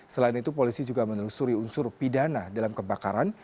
selain itu polisi juga menelusuri unsur pidana dalam kebakaran